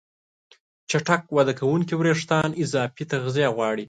چټک وده کوونکي وېښتيان اضافي تغذیه غواړي.